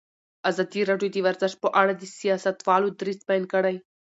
ازادي راډیو د ورزش په اړه د سیاستوالو دریځ بیان کړی.